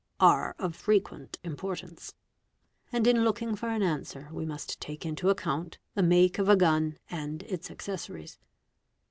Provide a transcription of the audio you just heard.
are of frequent importance; and in looking for an answer we must take into account the make of a gun and its accessories.